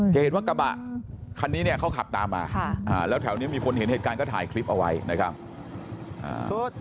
จะเห็นว่ากระบะคันนี้เนี่ยเขาขับตามมาแล้วแถวนี้มีคนเห็นเหตุการณ์ก็ถ่ายคลิปเอาไว้นะครับ